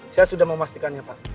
saya sudah memastikannya pak